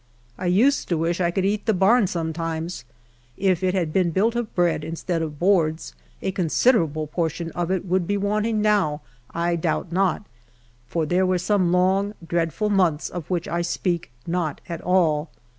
I used to wish I could eat the barn sometimes ; if it had been built of bread instead of boards, a considerable portion of it would be wanting now, I doubt not, for there were some long, dreadful months of which I speak not at all.